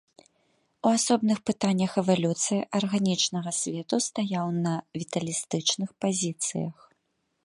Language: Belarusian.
У асобных пытаннях эвалюцыі арганічнага свету стаяў на віталістычных пазіцыях.